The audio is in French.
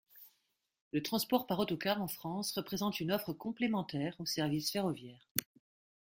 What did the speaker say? Le transport par autocar en France représente une offre complémentaire aux services ferroviaires.